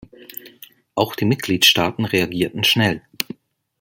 Auch die Mitgliedstaaten reagierten schnell.